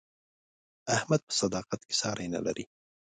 احمد په صداقت کې ساری نه لري.